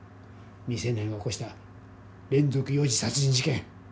未成年が起こした連続幼児殺人事件。